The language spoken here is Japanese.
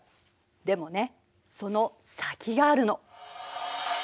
でもねその先があるの。